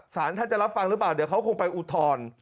สารท่านจะรับฟังหรือเปล่าเดี๋ยวเขาคงไปอุทธรณ์